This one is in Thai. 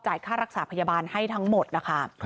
ค่ารักษาพยาบาลให้ทั้งหมดนะคะ